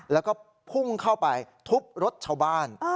แล้วก็พุ่งเข้าไปทุบรถชาวบ้าน